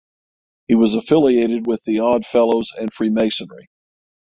He was affiliated with the Odd Fellows and Freemasonry.